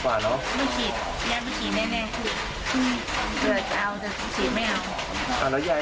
เผื่อจะเอาแต่ชีดไม่เอา